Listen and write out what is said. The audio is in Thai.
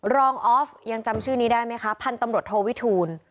ออฟยังจำชื่อนี้ได้ไหมคะพันธุ์ตำรวจโทวิทูล